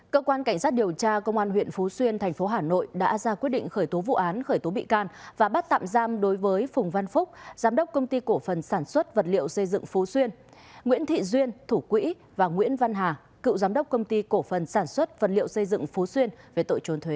cơ quan cảnh sát điều tra công an huyện phú xuyên thành phố hà nội đã ra quyết định khởi tố vụ án khởi tố bị can và bắt tạm giam đối với phùng văn phúc giám đốc công ty cổ phần sản xuất vật liệu xây dựng phú xuyên nguyễn thị duyên thủ quỹ và nguyễn văn hà cựu giám đốc công ty cổ phần sản xuất vật liệu xây dựng phú xuyên về tội trốn thuế